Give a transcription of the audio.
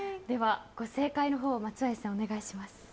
正解のほうを松林さん、お願いします。